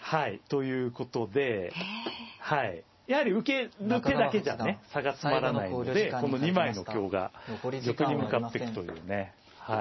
ということでやはり受けの手だけじゃね差が詰まらないのでこの２枚の香が玉に向かってくというね。